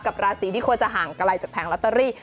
ราศีที่ควรจะห่างไกลจากแผงลอตเตอรี่